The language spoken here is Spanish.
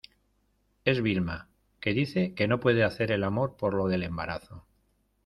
es Vilma, que dice que no puede hacer el amor por lo del embarazo.